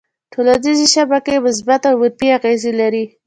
ټولنیزې شبکې مثبت او منفي اغېزې لري.